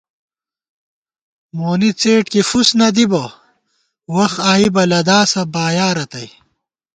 مونی څېڈ کی فُسنَدِبہ وَخ آئیبہ لَداسہ بایا رتئ